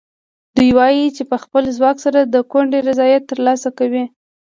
دوی وایي چې په خپل ځواک سره د کونډې رضایت ترلاسه کوي.